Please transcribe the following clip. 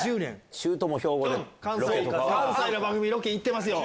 関西の番組ロケ行ってますよ